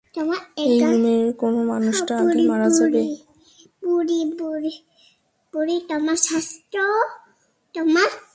এই রুমের কোন মানুষটা আগে মারা যাবে?